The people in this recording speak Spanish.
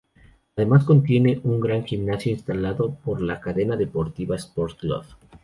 Además contiene un gran gimnasio instalado por la cadena deportiva "Sport Club".